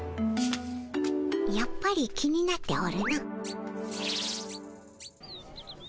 やっぱり気になっておるの。